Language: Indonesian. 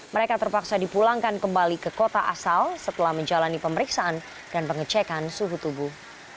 mereka terpaksa dipulangkan kembali ke kota asal setelah menjalani pemeriksaan dan pengecekan suhu tubuh